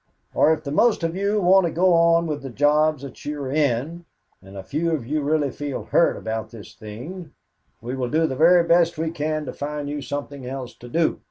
Or, if the most of you want to go on with the jobs that you are in, and a few of you really feel hurt about this thing, we will do the very best we can to find you something else to do.